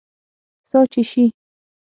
سا چې سي